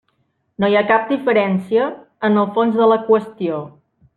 No hi ha cap diferència en el fons de la qüestió.